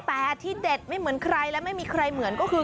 แต่ที่เด็ดไม่เหมือนใครและไม่มีใครเหมือนก็คือ